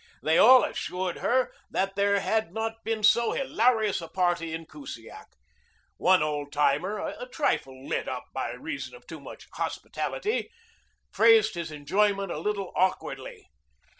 They all assured her that there had not been so hilarious a party in Kusiak. One old timer, a trifle lit up by reason of too much hospitality, phrased his enjoyment a little awkwardly.